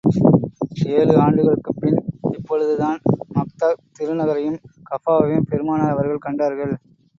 ஏழு ஆண்டுகளுக்குப் பின், இப்பொழுதுதான் மக்காத் திருநகரையும் கஃபாவையும் பெருமானார் அவர்கள் கண்டார்கள்.